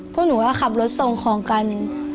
พวกหนูก็ขับรถส่งของกัน